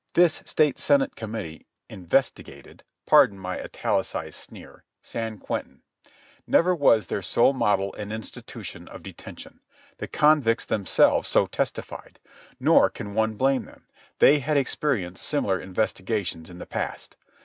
This State Senate committee investigated (pardon my italicized sneer) San Quentin. Never was there so model an institution of detention. The convicts themselves so testified. Nor can one blame them. They had experienced similar investigations in the past.